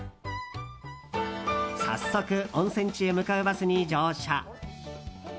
早速、温泉地へ向かうバスに乗車。